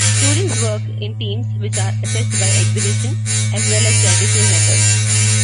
Students work in teams which are assessed by exhibition as well as traditional methods.